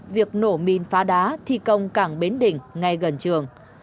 việc nổ min phá đá thi công cảng bến đỉnh ngay gần trường